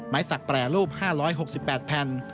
สักแปรรูป๕๖๘แผ่น